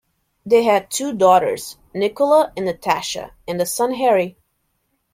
They had two daughters, Nichola and Natasha, and a son Harry.